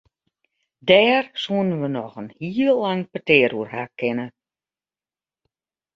Dêr soenen we noch in heel lang petear oer ha kinne.